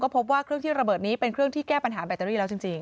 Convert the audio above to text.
พบว่าเครื่องที่ระเบิดนี้เป็นเครื่องที่แก้ปัญหาแบตเตอรี่แล้วจริง